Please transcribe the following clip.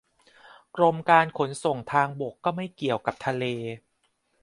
กรมการขนส่งทางบกก็ไม่เกี่ยวกับทะเล